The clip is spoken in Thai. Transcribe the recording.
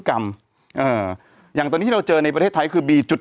กรรมอย่างตอนนี้เราเจอในประเทศไทยคือบีจุด